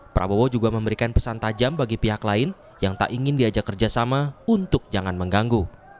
prabowo juga memberikan pesan tajam bagi pihak lain yang tak ingin diajak kerjasama untuk jangan mengganggu